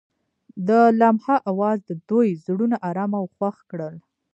د لمحه اواز د دوی زړونه ارامه او خوښ کړل.